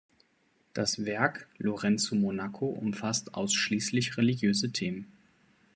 Das Werk Lorenzo Monaco umfasst ausschließlich religiöse Themen.